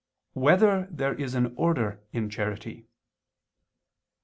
1] Whether There Is Order in Charity?